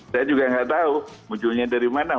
saya juga nggak tahu munculnya dari mana